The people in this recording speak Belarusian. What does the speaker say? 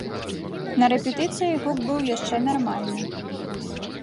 На рэпетыцыі гук быў яшчэ нармальны.